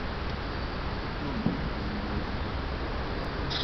Tômblô i mbôla.